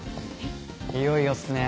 いよいよっすね。